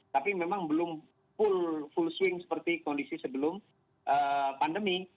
tapi memang belum full swing seperti kondisi sebelum pandemi